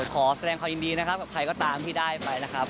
ขอแสดงความยินดีนะครับกับใครก็ตามที่ได้ไปนะครับ